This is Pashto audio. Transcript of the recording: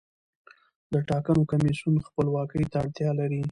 د ټاکنو کمیسیون خپلواکۍ ته اړتیا لري